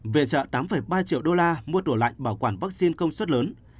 viện trợ tám ba triệu đô la mua tủ lạnh bảo quản vaccine công suất lớn